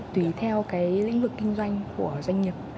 tùy theo cái lĩnh vực kinh doanh của doanh nghiệp